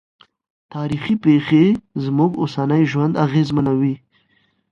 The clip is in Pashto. تاریخي پېښې زموږ اوسنی ژوند اغېزمنوي.